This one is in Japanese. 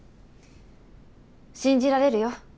信じられるよ。